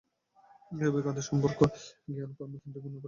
একইভাবে, খাদ্য, সম্পর্ক, জ্ঞান ও কর্ম তিনটি গুণের পরিপ্রেক্ষিতে বিস্তারিত।